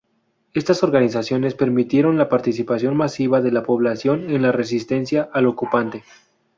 Estas organizaciones permitieron la participación masiva de la población en la resistencia al ocupante.